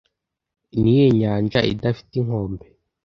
Niyihe nyanja idafite inkombe